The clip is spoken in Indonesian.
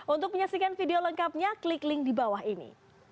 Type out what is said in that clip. untuk menyaksikan video lengkapnya klik link di bawah ini